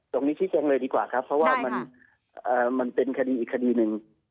ชี้แจงเลยดีกว่าครับเพราะว่ามันเป็นคดีอีกคดีหนึ่ง